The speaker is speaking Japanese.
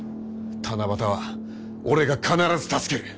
七夕は俺が必ず助ける。